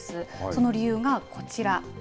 その理由がこちら。